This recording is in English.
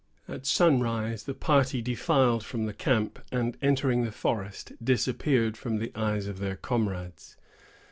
At sunrise, the party defiled from the camp, and entering the forest disappeared from the eyes of their comrades.